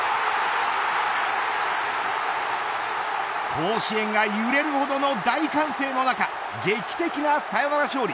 甲子園が揺れるほどの大歓声の中劇的なサヨナラ勝利。